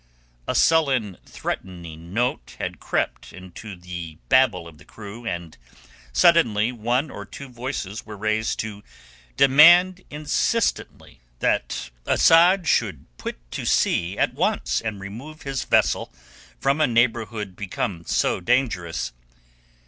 A sullen threatening note had crept into the babble of the crew, and suddenly one or two voices were raised to demand insistently that Asad should put to sea at once and remove his vessel from a neighbourhood become so dangerous.